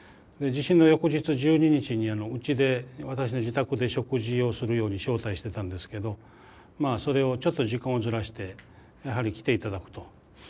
地震の翌日１２日にうちで私の自宅で食事をするように招待してたんですけどまあそれをちょっと時間をずらしてやはり来て頂くと。